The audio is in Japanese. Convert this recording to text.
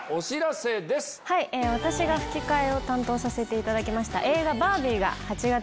私が吹き替えを担当させていただきました。